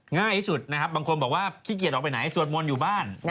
ง่ายที่สุดนะครับบางคนบอกว่าขี้เกียจออกไปไหนสวดมนต์อยู่บ้าน